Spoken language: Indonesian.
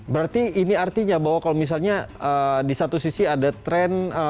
berarti ini artinya bahwa kalau misalnya di satu sisi ada tren